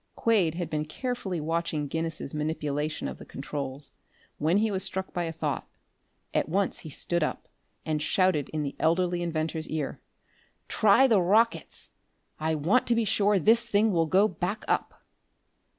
Quade had been carefully watching Guinness's manipulation of the controls, when he was struck by a thought. At once he stood up, and shouted in the elderly inventor's ear: "Try the rockets! I want to be sure this thing will go back up!"